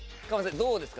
どうですか？